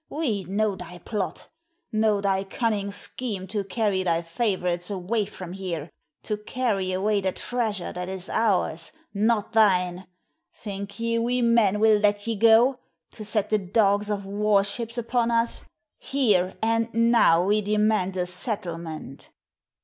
We know thy plot know thy cunning scheme to carry thy favorites away from here to carry away the treasure that is ours, not thine! Think ye we men will let ye go, to set the dogs of war ships upon us? Here and now we demand a settlement."